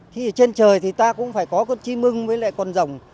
thì ở trên trời thì ta cũng phải có con chim mưng với lại con dòng